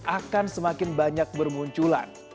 akan semakin banyak bermunculan